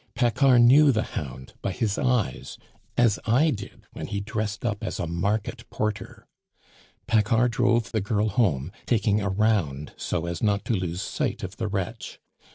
Paccard knew the hound by his eyes, as I did when he dressed up as a market porter. Paccard drove the girl home, taking a round so as not to lose sight of the wretch.